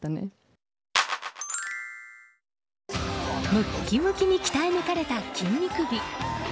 ムキムキに鍛え抜かれた筋肉美。